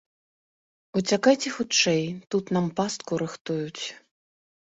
Уцякайце хутчэй, тут нам пастку рыхтуюць!